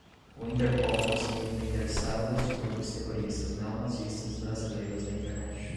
O interpol conseguiu prender células de grupos terroristas neonazistas brasileiros da internet